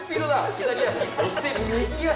左足そして右足。